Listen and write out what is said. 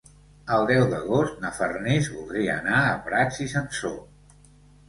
El deu d'agost na Farners voldria anar a Prats i Sansor.